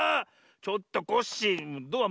ちょっとコッシードア